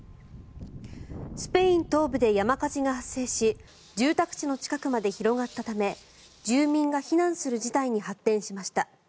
スペイン東部で山火事が発生し住宅地の近くまで広がったため住民が避難する事態に発展しました。